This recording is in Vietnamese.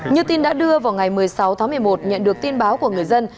như tin đã đưa vào ngày một mươi sáu tháng một mươi một nhận được tin báo của người dân